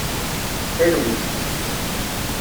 Talwit.